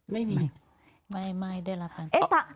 ไม่มีไม่ได้รับทางที่